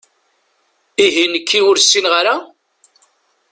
Ihi nekki ur ssineɣ ara?